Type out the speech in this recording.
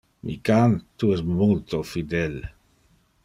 Mi can, tu es multo fidel.